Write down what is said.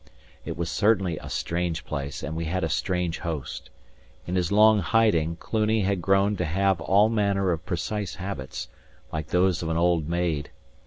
It was certainly a strange place, and we had a strange host. In his long hiding, Cluny had grown to have all manner of precise habits, like those of an old maid.